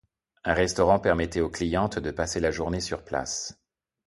Un restaurant permettait aux clientes de passer la journée sur place.